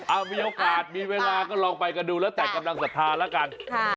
เอามีโอกาสมีเวลาก็ลองไปกันดูแล้วแต่กำลังศรัทธาแล้วกัน